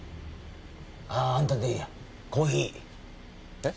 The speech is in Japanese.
あああんたでいいやコーヒーえっ？